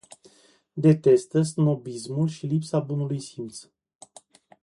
Detestă snobismul și lipsa bunului simț.